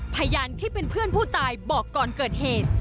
พยานที่เป็นเพื่อนผู้ตายบอกก่อนเกิดเหตุ